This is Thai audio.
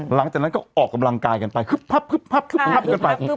หลังจากนั้นก็ออกกำลังกายกันไปคึบพับคึบพับคึบพับกันไปคึบพับ